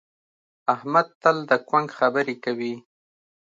احمد تل د کونک خبرې کوي.